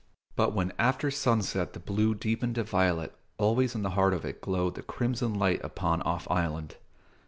But when after sunset the blue deepened to violet, always in the heart of it glowed the crimson light upon Off Island.